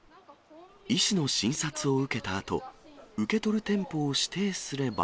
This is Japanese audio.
医師の診察を受けたあと、受け取る店舗を指定すれば。